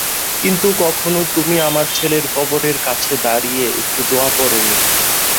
কিন্তু কখনো তুমি আমার ছেলের কবরের কাছে দাঁড়িয়ে একটু দোয়া পড়নি।